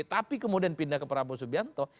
tapi kemudian pindah ke prabowo subianto